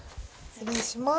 失礼します。